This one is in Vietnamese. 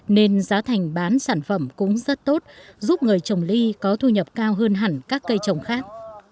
nên giá thành bán sản phẩm cũng rất tốt giúp người trồng ly có thu nhập cao hơn hẳn các cây trồng khác